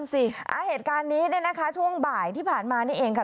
สิอ่ะเหตุการณ์นี้ได้นะคะช่วงบ่ายที่ผ่านมานี่เองกับ